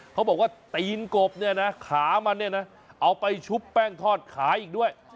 เขาบอกว่าตีนกบเนี่ยนะขามันเนี่ยนะเอาไปชุบแป้งทอดขายอีกด้วย